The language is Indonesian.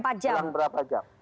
selang berapa jam